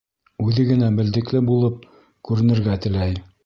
Үҙе генә белдекле булып күренергә теләй.